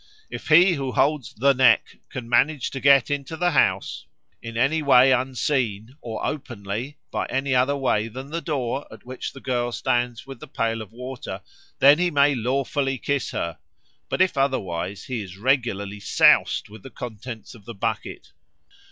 If he who holds 'the neck' can manage to get into the house, in any way unseen, or openly, by any other way than the door at which the girl stands with the pail of water, then he may lawfully kiss her; but, if otherwise, he is regularly soused with the contents of the bucket.